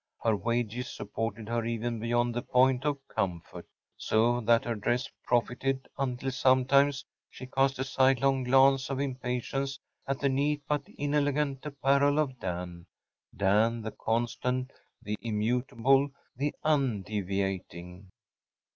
Her wages supported her even beyond the point of comfort; so that her dress profited until sometimes she cast a sidelong glance of impatience at the neat but inelegant apparel of Dan‚ÄĒDan the constant, the immutable, the undeviating.